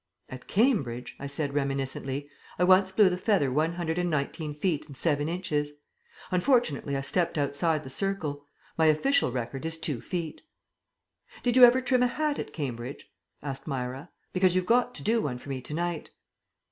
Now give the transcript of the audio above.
"At Cambridge," I said reminiscently, "I once blew the feather 119 feet 7 inches. Unfortunately I stepped outside the circle. My official record is 2 feet." "Did you ever trim a hat at Cambridge?" asked Myra. "Because you've got to do one for me to night."